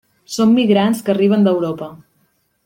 Són migrants que arriben d'Europa.